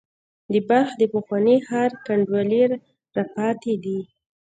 د بلخ د پخواني ښار کنډوالې را پاتې دي.